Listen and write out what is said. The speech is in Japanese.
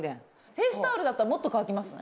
フェースタオルだったらもっと乾きますね。